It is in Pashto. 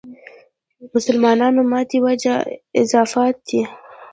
مسلمانانو ماتې وجه اضافات دي.